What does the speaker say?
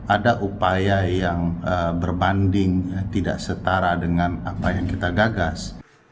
ada upaya yang berbanding tidak setara dengan apa yang kita gagas